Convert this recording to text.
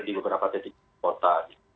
di beberapa titik kota